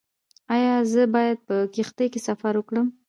ایا زه باید په کښتۍ کې سفر وکړم؟